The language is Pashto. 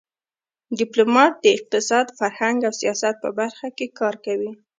ډيپلومات د اقتصاد، فرهنګ او سیاست په برخه کې کار کوي.